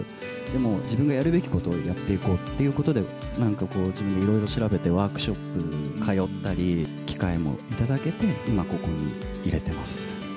でも、自分がやるべきことをやっていこうっていうことで、なんかこう、自分でいろいろ調べて、ワークショップ通ったり、機会も頂けて、今、ここにいれてます。